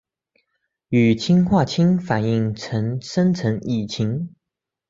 与氰化氢反应生成乙腈。